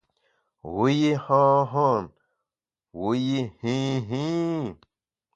Wu yi han han wu yi hin hin ?